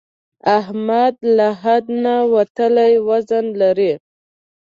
احمد له حد نه وتلی وزن لري.